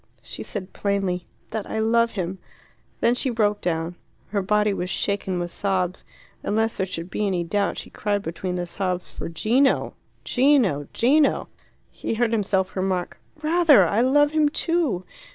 She said plainly, "That I love him." Then she broke down. Her body was shaken with sobs, and lest there should be any doubt she cried between the sobs for Gino! Gino! Gino! He heard himself remark "Rather! I love him too!